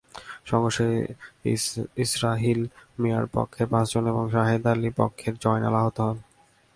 সংঘর্ষে ইসরাহিল মিয়ার পক্ষের পাঁচজন এবং সাহেদ আলীর পক্ষের জয়নাল আহত হন।